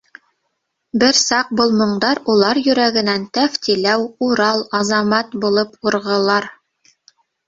Бер саҡ был моңдар улар йөрәгенән «Тәфтиләү», «Урал», «Азамат» булып урғылар.